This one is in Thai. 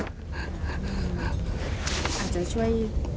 อาจจะช่วย